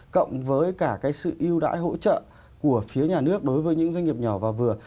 cộng với cả cái sự yêu đãi hỗ trợ của phía nhà nước đối với những doanh nghiệp nhỏ và vừa